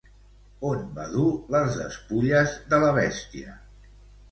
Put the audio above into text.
On va dur les despulles de la bèstia?